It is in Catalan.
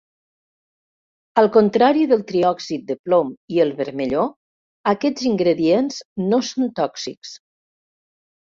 Al contrari del triòxid de plom i el vermelló, aquests ingredients no són tòxics.